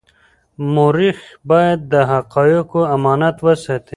مورخ باید د حقایقو امانت وساتي.